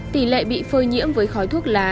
tỉ lệ bị phơi nhiễm với khói thuốc lá